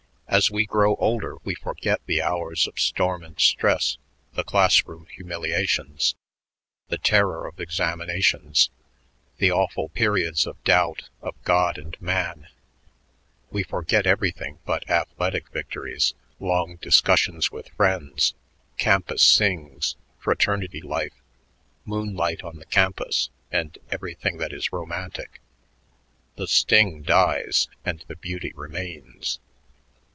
As we grow older, we forget the hours of storm and stress, the class room humiliations, the terror of examinations, the awful periods of doubt of God and man we forget everything but athletic victories, long discussions with friends, campus sings, fraternity life, moonlight on the campus, and everything that is romantic. The sting dies, and the beauty remains.